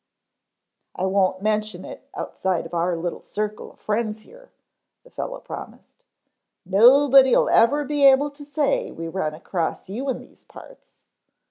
"I won't mention it outside of our little circle of friends here," the fellow promised. "Nobody'll ever be able to say we run across you in these parts.